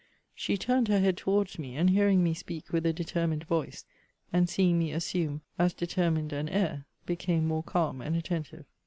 She turned her head towards me, and hearing me speak with a determined voice, and seeing me assume as determined an air, became more calm and attentive.